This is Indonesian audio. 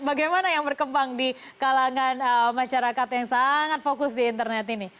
bagaimana yang berkembang di kalangan masyarakat yang sangat fokus di internet ini